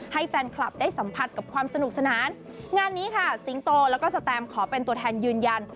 ให้แฟนคลับได้สัมผัสกับความสนุกสนานงานนี้ค่ะสิงโตแล้วก็สแตมขอเป็นตัวแทนยืนยัน